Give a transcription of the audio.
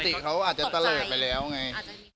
สติเขาอาจจะตลอดไปแล้วไง